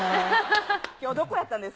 きょう、どこやったんです？